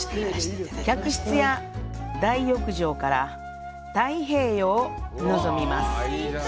客室や大浴場から太平洋を望みます。